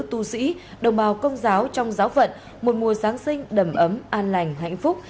tu sĩ đồng bào công giáo trong giáo phận một mùa giáng sinh đầm ấm an lành hạnh phúc